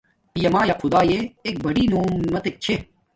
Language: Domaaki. پیا مایا خدایہ ایک بڑی نومتک چھے